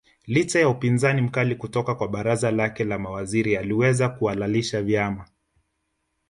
Licha ya upinzani mkali kutoka kwa baraza lake la mawaziri aliweza kuhalalisha vyama